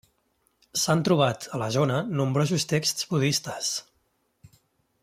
S'han trobat a la zona nombrosos texts budistes.